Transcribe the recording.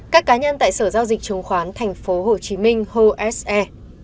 các cá nhân tại sở giao dịch trường khoán tp hcm hồ s e